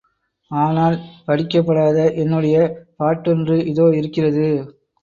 ஆனால், படிக்கப்படாத என்னுடைய பாட்டொன்று இதோ இருக்கிறது.